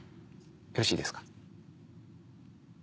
よろしいですか？